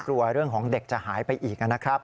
กลัวเรื่องของเด็กจะหายไปอีกนะครับ